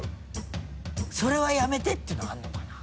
「それはやめて」っていうのはあるのかな？